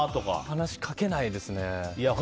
話しかけないですね。